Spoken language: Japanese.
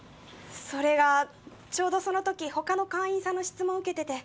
それがちょうどその時他の会員さんの質問を受けてて。